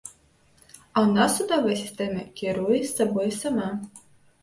А ў нас судовая сістэма кіруе сабой сама.